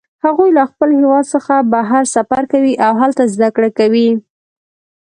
هغوی له خپل هیواد څخه بهر سفر کوي او هلته زده کړه کوي